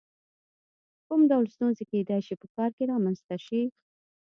کوم ډول ستونزې کېدای شي په کار کې رامنځته شي؟